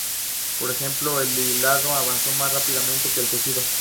Por ejemplo el hilado avanzó más rápidamente que el tejido.